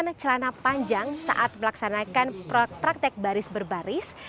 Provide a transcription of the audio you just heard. pakaian celana panjang saat melaksanakan praktek baris baris